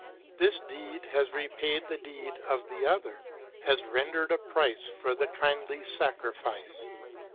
This deed has repaid the deed of the Other, has rendered a price for the kindly sacrifice.